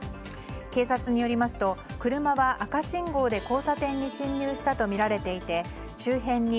警察によりますと車は赤信号で交差点に進入したとみられていて周辺に